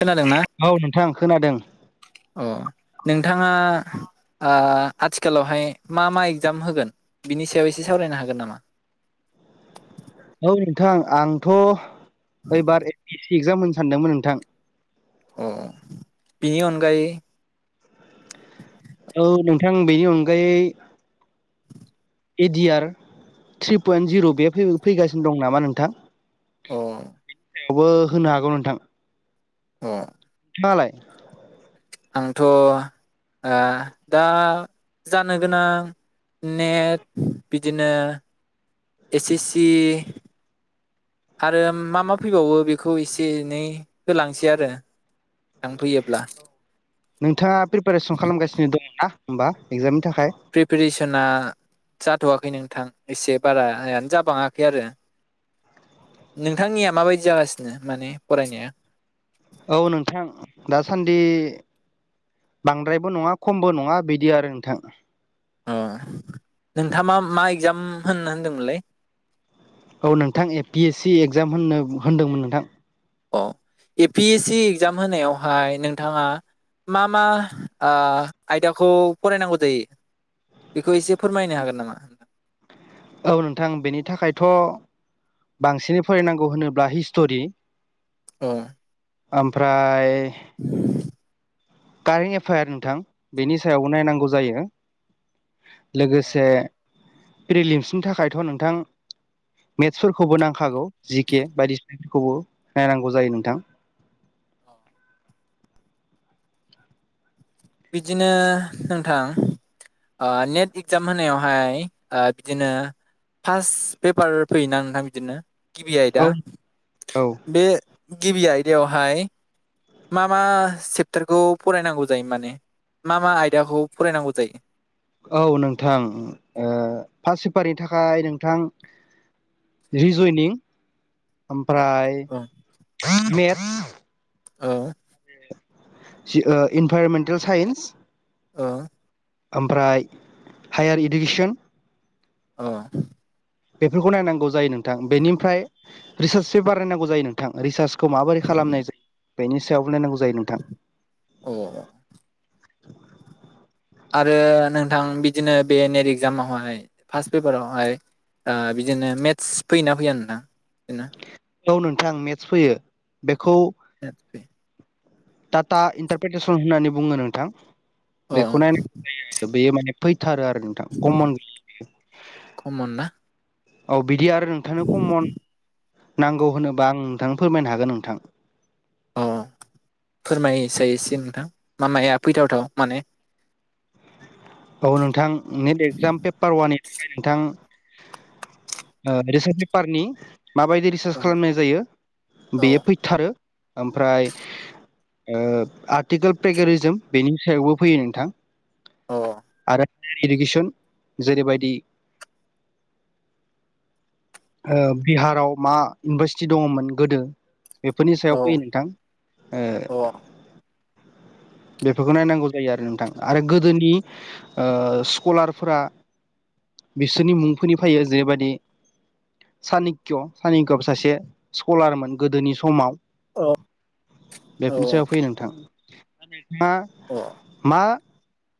खोनादोंना [unintelligible] औ नोंथां खोनादों अ नोंथाङा ओ आथिखालावहाय मा मा एगजाम होगोन बिनि सायाव एसे सावरायनो हागोन नामा औ नोंथां आंथ ओइबार A P S C exam होनो सानदोंमोन नोंथां अ बिनि अनगायै औ नोंथां बेनि अनगायै A D R three point जिर बे फै-फैगासिनो दं नामा नोंथां अ बो होनो हागौ नोंथां ह [unintelligible] लाय आंथ ओ दा जानो गोनां नेट बिदिनो एस एस सि आरो मा मा फैबावो बेखौ एसे एनै होलांसै आरो लांफैयोब्ला नोंथाङा प्रिपेरेसन खालामगासिनो दङ ना होमबा एगजामनि थाखाय प्रिपेरेसना सा होथवाखै नोंथां एसे बारायानो जाबाङाखै आरो नोंथांनिया माबायदि जागासिनो माने फरायनाया औ नोंथां दासान्दि बांद्रायबो नङा खमबो नङा बिदि आरो नोंथां अ नोंथाङा मा मा एगजाम होनो होनदोंमोनलै औ नोंथां A P A C exam होननो होनदोंमोन नोंथां अ A P A C exam होनायावहाय नोंथाङा मा मा आं आयदाखौ फरायनांगौ जायो बेखौ एसे फोरमायनो हागोन नामा? औ नोंथां बेनि थाखायथ बांसिनै फरायनांगौ होनोब्ला हिस्टरि अ आमफ्राय [inaudible] कारेन्ट एफायार नोंथां बेनि सायावबो नायनांगौ जायो लोगोसे फ्रिलिनसनि थाखायथ नोंथां मेथ्सफोरखौबो नांखागौ जिके बायदिसिनफोरखौबो नायनांगौ जायो नोंथां बिदिनो नोंथां आ नेट इगजाम होनायावहाय आ बिदिनो फार्स्ट पेपार फैयोना नोंथां बिदिनो गिबि औ आयदा औ बे गिबि आयदायावहाय मा मा सेपटारखौ फरायनांगौ जायो माने मा मा आयदाखौ फरायनांगौ जायो औ नोंथां ओ फास सेपारनि थाखाय नोंथां रिजयनिं फ्राय औ [unintelligible] मे औ जि ओ इनभाइरमेन्टेल साइन्स अ आमफ्राय हायार इडुकेसन औ बेफोरखौ नायनांगौ जायो नोंथां बेनिफ्राय रिसार्चसो बारायनांगौ जायो नोंथां रिसार्च खौ माबोरै खालामनाय जायो बेनि सायावबो नायनांगौ जायो नोंथां अ आरो नोंथां बिदिनो बे नेट एगजामावहाय फार्स्ट पेपारावहाय आ बिदिनो मेथ्स फैयो ना फैया नोंथां दिनो औ नोंथां मेथ्स फैयो बेखौ [unintelligible] टाटा इन्टारपेटेसन होननानै बुङो नोंथां फैयो अ बेखौ नायनांगौ जायो बेयो माने थारो आरो नोंथां कमन [inaudible] कमन ना औ बिदि आरो नोंथांनो कमन नांगौ होनोबा आं नोंथांनो फोरमायनो हागोन नोंथां अ फोरमाय साय एसे नोंथां मा माया फैथावथाव माने औ नोंथां नेट एक्जाम पेपार वाननि थाखाय नोंथां ओ रिसनपेफारनि माबायदि रिसार्च औ खालामनाय जायो बेयो औ फैथारो ओमफ्राय ओ आर्टिकेल प्रेगेरिजोम बेनि सायावबो फैयो नोंथां अ आरो [unintelligible] इडुकेसन जेरैबायदि ओ बिहाराव मा इउनिभारसिटि दङमोन गोदो? बेफोरनि सायाव औ अ फैयो नोंथां ओ बेफोरखौ नायनांगौ जायो आरो नोंथां आरो गोदोनि ओ स्कलारफोरा बिसोरनि मुंफोरनि फैयो जैबायदि सानिक्य सानिक्य सासे स्कलारमोन गोदोनि समाव अ औ बेफोरनि सायाव फैयो नोंथां [unintelligible] मा अ मा?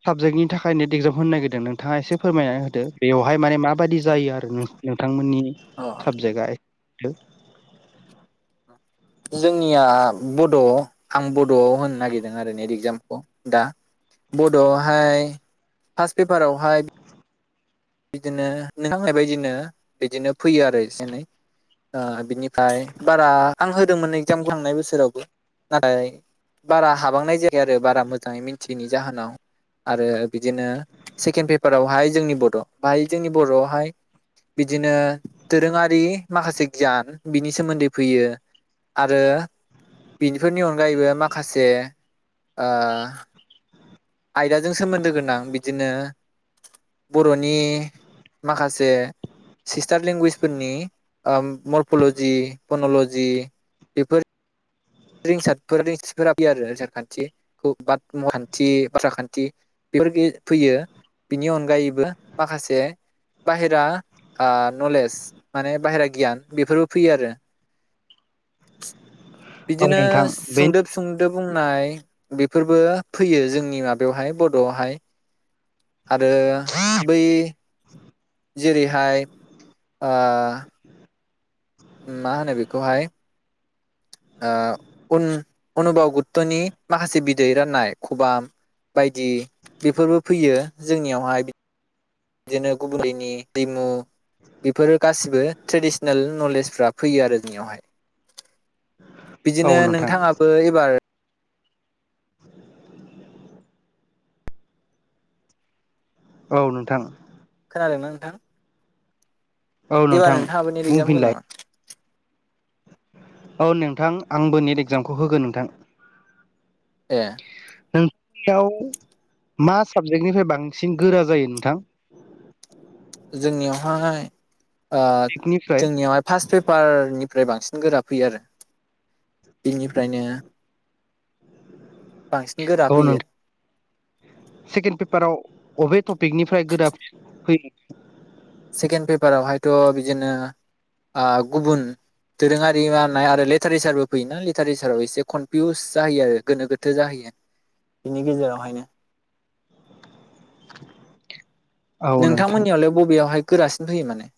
साबजेक्टनि थाखाय नेट एगजाम होनो नागिरदों नोंथाङा एसे फोरमायना होदो बेवहाय माने माबायदि जायो आरो नोंथांमोननि अ सबजेक्टआइ हेल जोंनिया बड आं बडआव होनो नागिरदों आरो नेट इगजामखौ दा बडआवहाय फार्स्ट पेपारावहाय बिदिनो नोंथां बुंनाय बायदिनो बिदिनो फैयो आरो एसे एनै ओ बिनिफ्राय बारा आं होदोंमोन एगजामखौ थांनाय बोसोरावबो नाथाय बारा हाबांनाय जायाखै आरो बारा मोजाङै मिन्थियैनि जाहोनाव आरो बिदिनो सेकेन्ड पेपारावहाय जोंनि बड बाहाय जोंनि बरआवहाय बिदिनो दोरोङारि माखासे गियान बिनि सोमोन्दै फैयो आरो बिनिफोरनि अनगायैबो माखासे ओ आयदाजों सोमोन्दो गोनां बिदिनो बरनि माखासे सिस्टार लेंगुवेजफोरनि ओम मरफलजि पनलजि बेफोर रिंसार [unintelligible] रिंसार खान्थि बाथखान्थि बाथ्रा खान्थि बेफोर फैयो बिनि अनगायैबो माखासे बाहेरा नलेज माने बाहेरा गियान बेफोरबो फैयो आरो औ बिदिनो नोंथां बे सुंदोब सुंदोब बुंनाय बेफोरबो फैयो जोंनि माबायावहाय बडआवहाय आरो बै जेरैहाय ओ मा होनो बेखौहाय ओ उन अनुभाव गुत्तनि माखासे बिदै राननाय खबाम बायदि बेफोरबो फैयो जोंनियावहाय बिदिनो गुबलैनि दैमु बेफोरो गासिबो ट्रेडिसनेल नलेजफ्रा फैयो आरो जोंनियावहाय औ बिदिनो नोंथां नोंथाङाबो एबार औ नोंथां खोनादोंना नोंथां? औ एबार नोंथां नोंथाङाबो नेट एगजाम होगोन बुंफिनलाय नामा औ नोंथां आंबो नेट एक्जामखौ होगोन नोंथां। ए नोंथांनियाव मा साबजेक्टनिफ्राय बांसिन गोरा जायो नोंथां जोंनियावहाय ओ पिकनिफ्राय जोंनियावहाय फार्स्ट पेपारनि ओमफ्राय बांसिन गोरा फैयो आरो बिनिफ्रायनो बांसिन गोरा औ फैयो नोंथां सेकेणड पेपाराव बबे टपिकनिफ्राय गोरा [unintelligible] फैयो। सेकेन्ड पेपारावहायथ बिदिनो ओ गुबुन दोरोंयारि राननाय आरो लिर टारेसारबो फैयोना लिटारेसाराव एसे कनफिउस जायो आरो गोनो गोथो जाहैयो बिनि गेजेरावहायनो [inaudible] नोंथां नोंथांमोननियावलाय बबेयावहाय गोरासिन फैयो माने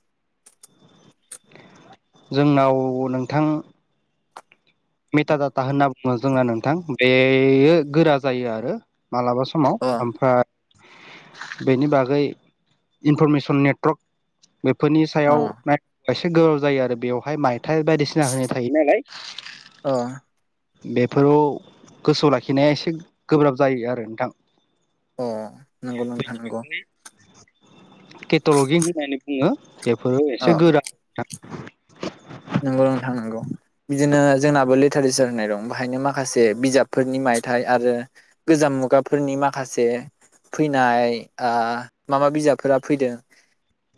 जोंनाव नोंथां मेटा दाता होनना बुङो जोङा नोंथां बेयो गोरा जायो आरो मालाबा समाव अ ओमफ्राय बेनि बागै इनफरमेसन नेट्रक बेफोरनि अ सायाव नाय एसे गोबाव जायो आरो बेवहाय माइ थाय बायदिसिना होनाय थायो नालाय [unintelligible] अ बेफोरौव गोसोआव लाखिनाया एसे गोब्राब जायो आरो नोंथां अ नोंगौ नोंथा नोंगौ केटलगि होननानै बुङो बेफोरो एसे गोरा नोंगौ नोंथां नांगौ बिदिनो जोंनाबो लिटारेसार होननाय दं बाहायनो माखासे बिजाबफोरनि मायथाइ आरो गोजाम मुगाफोरनि माखासे फैनाय ओ मा मा बिजाबफोरा फैदों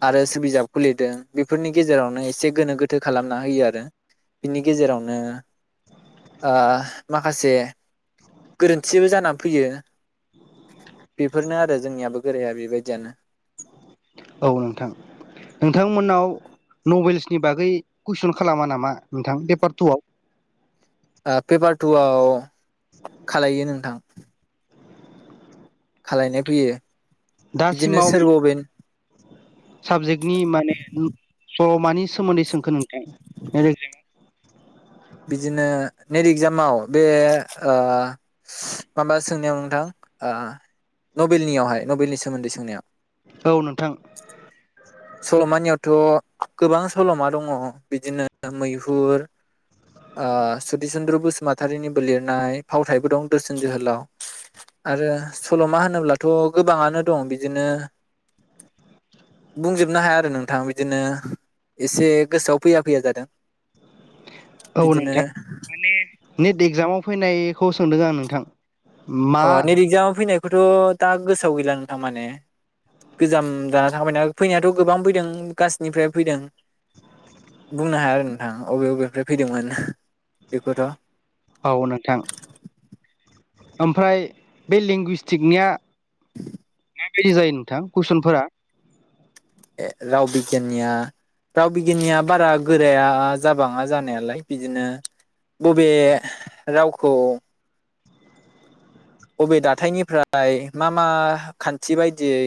आरो सोर बिजाबखौ लिरदों बेफोरनि गेजेरावनो एसे गोनो गोथो खालामना होयो आरो बिनि गेजेरावनो माखासे गोरोन्थिबो जानानै फैयो बेफोरनो आरो जोंनियाबो गोराया बेबायदियानो औ नोंथां नोंथांमोननाव नभेल्सनि बागै कुइसन खालामा नामा नोंथां पेपार टुआव ओ पेपार टु आव खालायो नोंथां खालायनाय फैयो बिदिनो दासिमाव सोर मा मा बबे साबजेक्टनि माने [unintelligible] अ मानि सोमोन्दै सोंखो नों [unintelligible] बिदिनो नेट इगजामाव बे ओ माबा सोंनायाव नोंथां ओ नबेलनियावहाय नबेलनि सोमोन्दै सोंनायाव औ नोंथां सल'मानियावथ' गोबां सलमा दङ बिदिनो मैहुर सति चुन्द्र बसुमतारिनिबो लिरनाय फावथायबो दं दोरसोन जोहोलाव आरो सलमा होनोब्लाथ गोबाङानो दं बिदिनो बुंजोबनो हाया आरो नोंथां बिदिनो एसे गोसोआव फैया फैया जादों औ बिदिनो नोंथां माने नेट एक्जामाव फैनाय खौ सोंदों आं नोंथां मा अ नेद एगजामाव फैनाय खौथ दा गोसोआव गैला नोंथां माने गोजाम जाना थांबायना फैनायाथ गोबां फैदों गासैनिफ्राय फैदों बुंनो हाया न थां अबे अबेनिफ्राय फैदोंमोन बेखौथ' औ नोंथां ओमफ्राय बे लेंगुइस्टिकनिया माबायदि जायो नोंथां कुइसनफोरा राव बिगियाननिया राव बिगियाननिया बारा गोराया जाबाङा जानायालाय बिदिनो बबे रावखौ अबे दाथायनिफ्राय मा मा खान्थि बायदियै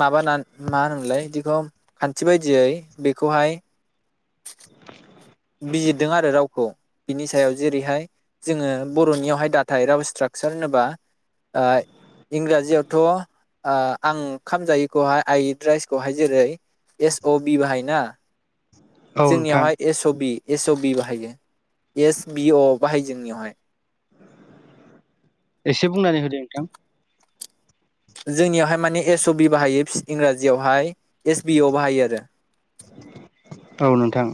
माबाना मा होनोमोनलाय बिदिखौ खान्थि बायदियै बेखौहाय बिजिरदों आरो रावखौ बिनि सायाव जेरैहाय जोङो बरनियावहाय दाथाइ राव स्ट्राकसार होनोबा ओ इंराजियावथ ओ आं ओंखाम खामजायैखौहाय आइ इट राइसखौहाय जेरै एस अ बि बाहायोना औ नोंथां जोंनियावहाय एस बि एस अ बि बाहायो एस बिअ बाहायो जोंनियावहाय एसे बुंनानै होदे नोंथां जोंनियावहाय माने एस अ बि बाहायो फि इंराजियावहाय एस बि अ बाहायो आरो औ नोंथां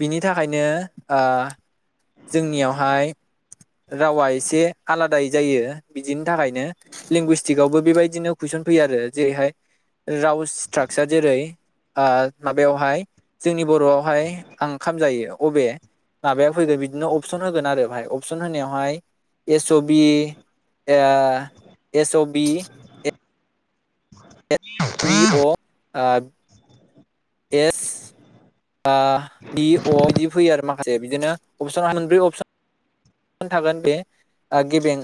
बिनि थाखायनो ओ जोंनियावहाय रावा एसे आलादायै जायो बिदिनि थाखायनो लिंगुइस्टिकआवबो बेबायदिनो कुइसन फैयो आरो जेरैहाय राव स्ट्राकसार जेरै ओ माबायावहाय जोंनि बरआवहाय आं ओंखाम जायो अबे माबायाव फैगोन बिदिनो अपसन होगोन आरो बाहाय अपसन होनायावहाय एस बि ओ एस अ बि [inaudible] बि अ आ एस ए बिदिनो अपसन [unintelligible] ब्रै अपसन थागोन बे गेबें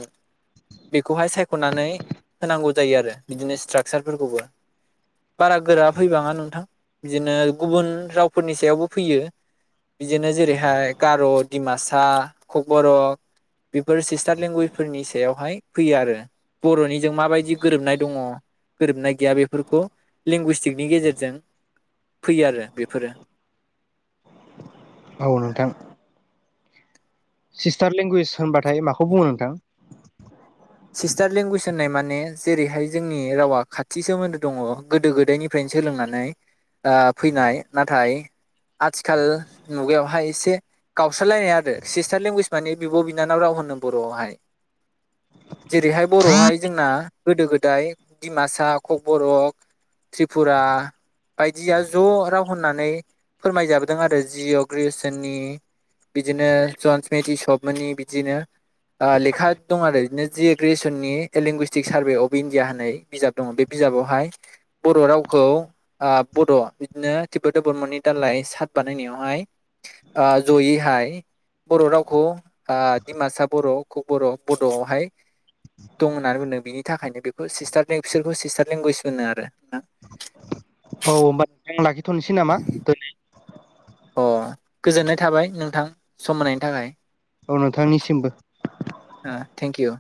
बेखौहाय सायखनानै होनांगौ जायो आरो बिदिनो स्ट्राकसारफोरखौबो बारा गोरा फैबाङा नोंथां बिदिनो गुबुन रावफोरनि सायावबो फैयो बिदिनो जेरैहाय गार दिमासा कक बर बेफोर सिस्टार लेंगुवेजफोरनि सायावहाय फैयो आरो बरनिजों माबायदि गोरोबनाय दङ गोरोबनाय गैया बेफोरखौ लेंगुइस्टिकनि गेजेरजों फैयो आरो बेफोरो औ नोंथां सिस्टार लेंगुवेज होनबाथाय माखौ बुङो नोंथां सिस्टार लेंगुवेज होननाय माने जेरैहाय जोंनि रावा खाथि सोमोन्दो दङ गोदो गोदायनिफ्रायनो सोलोंनानै ओ फैनाय नाथाय आथिखाल मुगायावहाय एसे गावस्रालायनाय आरो सिस्टार लेंगुवेज माने बिब बिनानाव राव होनो बरआवहाय जेरैहाय बरआवहाय जोंना गोदो गोदाय दिमासा ककबरक त्रिपुरा बायदिया ज राव होननानै फोरमायजाबोदों आरो जिअ ग्रेयारसननि बिदिनो जनस मेथिसबमोननि बिदिनो ओ लेखा दं आरो बिदिनो जि ए ग्रेयारसननि a linguistic survey of India होननाय बिजाब दङ बे बिजाबावहाय बर रावखौ ओ बड इदिनो तिब्बेत बर्मननि दालाइ चार्ट बानायनायावहाय ओ जयैहाय बर रावखौ ओ दिमासा बर ककबर बडआवहाय दं होननानै बुंदों बिनि थाखायनो बेखौ सिस्टार बिसोरखौ सिस्टार लेंगुवेज होनो आरो न औ [unintelligible] [unintelligible] नामा दिनै अ गोजोननाय थाबाय नोंथां सम होनायनि थाखाय औ नोंथांनिसिमबो ओ थेंक इउ